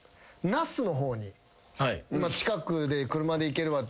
近くで車で行けるわっていうので。